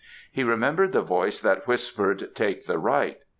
He remembered the voice that whispered, 'Take the right!'